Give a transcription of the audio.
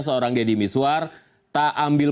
seorang deddy miswar tak ambil